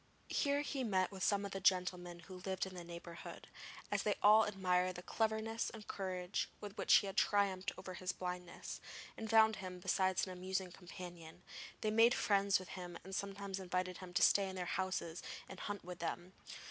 Here he met with some of the gentlemen who lived in the neighbourhood, and as they all admired the cleverness and courage with which he had triumphed over his blindness, and found him besides an amusing companion, they made friends with him and sometimes invited him to stay in their houses and hunt with them.